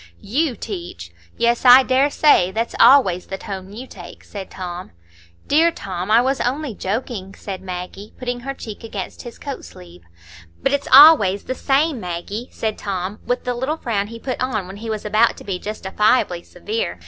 "You teach! Yes, I dare say. That's always the tone you take," said Tom. "Dear Tom, I was only joking," said Maggie, putting her cheek against his coat sleeve. "But it's always the same, Maggie," said Tom, with the little frown he put on when he was about to be justifiably severe.